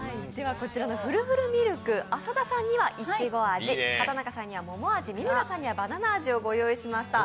こちらのふるふるミルク浅田さんにはいちご味畠中さんには桃味、三村さんにはバナナ味をご用意しました。